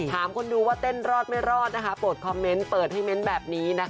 หามคนดูว่าเต้นรอดไม่รอดนะคะปลูกคอมเม้นท์เปิดให้แมนต์แบบนี้นะคะ